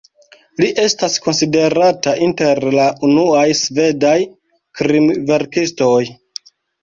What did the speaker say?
Li estas konsiderata inter la unuaj svedaj krimverkistoj.